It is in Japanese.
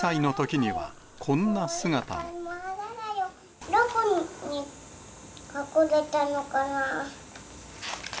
どこに隠れたのかなぁ。